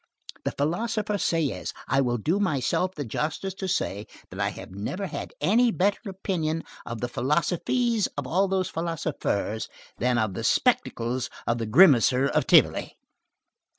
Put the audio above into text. The philosopher Sieyès! I will do myself the justice to say, that I have never had any better opinion of the philosophies of all those philosophers, than of the spectacles of the grimacer of Tivoli!